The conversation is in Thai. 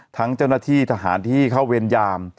เจ้าหน้าที่ทหารที่เข้าเวรยาม